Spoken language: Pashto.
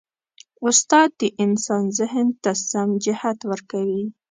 استاد د انسان ذهن ته سم جهت ورکوي.